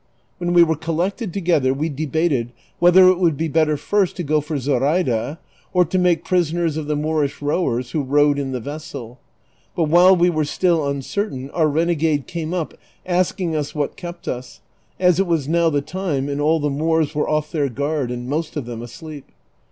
When we were collected together we debated whether it would be better first to go for Zoraida, or to make prisoners of the Moorish rowers who rowed in the vessel ; but while we were still uncertain our renegade came up asking us what kept us, as it was now the time, and all the ]\Ioors were oft" their guard and most of them asleep.